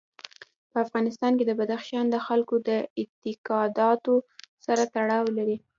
په افغانستان کې بدخشان د خلکو د اعتقاداتو سره تړاو لري.